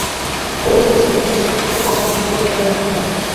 পরে পুলিশ তাঁদের জিজ্ঞাসাবাদ করতে সাত দিন করে রিমান্ডের আবেদন করেন।